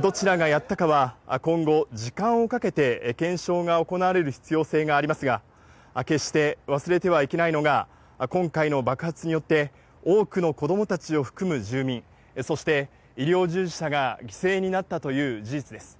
どちらがやったかは今後、時間をかけて検証が行われる必要性がありますが、決して忘れてはいけないのが、今回の爆発によって多くの子どもたちを含む住民、そして医療従事者が犠牲になったという事実です。